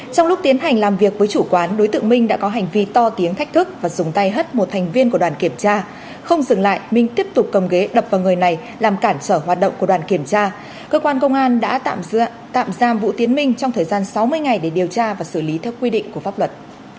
trong lúc tiến hành làm việc với chủ quán đối tượng minh đã có hành vi to tiếng thách thức và dùng tay hất một thành viên của đoàn kiểm tra không dừng lại minh tiếp tục cầm ghế đập vào người này làm cản trở hoạt động của đoàn kiểm tra cơ quan công an đã tạm giam vũ tiến minh trong thời gian sáu mươi ngày để điều tra và xử lý theo quy định của pháp luật